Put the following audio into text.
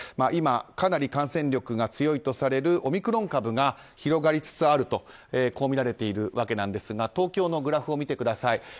今、かなり感染力が強いオミクロン株が広がりつつあるとみられているわけなんですが東京のグラフを見てください。